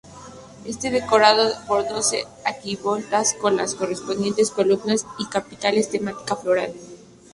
Está decorada por doce arquivoltas con las correspondientes columnas y capiteles de temática floral.